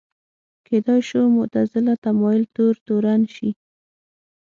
کېدای شو معتزله تمایل تور تورن شي